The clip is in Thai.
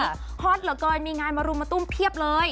แล้วตอนนี้ฮอตแล้วก้อนมีงานมามาตุ้มเพียบเลย